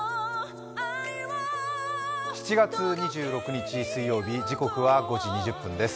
７月２６日水曜日、時刻は５時２０分です。